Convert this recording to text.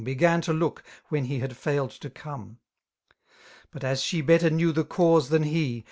Began to look, when he had foiled to come. But as she better knew the cause than he.